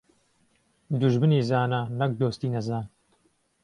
دوژمنی زانا، نەک دۆستی نەزان.